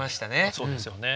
そうですよね。